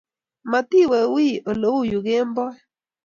Matiwe wiiy oleu yuu kemboi